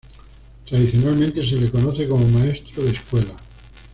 Tradicionalmente se le conoce como "maestro de escuela".